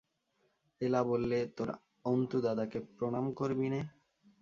এলা বললে, তোর অন্তুদাদাকে প্রণাম করবি নে?